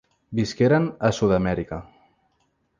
Visqueren a Sud-amèrica.